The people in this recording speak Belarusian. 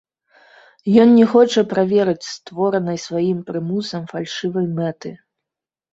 Ён не хоча праверыць створанай сваім прымусам фальшывай мэты.